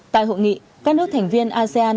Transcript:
tại hội nghị các nước thành viên asean